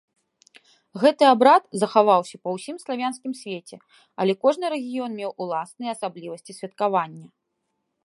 Гэты абрад захаваўся па ўсім славянскім свеце, але кожны рэгіён меў уласныя асаблівасці святкавання.